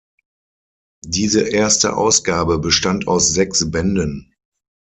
Diese erste Ausgabe bestand aus sechs Bänden.